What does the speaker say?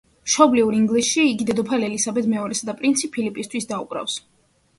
მშობლიურ ინგლისში კი დედოფალ ელისაბედ მეორესა და პრინც ფილიპისთვის დაუკრავს.